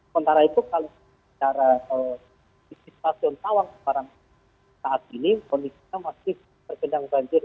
contohnya itu kalau secara stasiun tawang sekarang saat ini kondisinya masih bergendang banjir